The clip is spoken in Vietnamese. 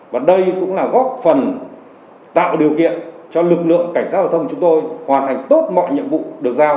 và đây cũng là góp phần tạo điều kiện cho lực lượng cảnh sát giao thông chúng tôi hoàn thành tốt mọi nhiệm vụ được giao